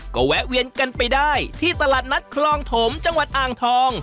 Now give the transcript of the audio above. ก็แวะเวียนกันไปได้ที่ตลาดนัดคลองถมจังหวัดอ่างทอง